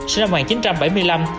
sẽ năm một nghìn chín trăm bảy mươi năm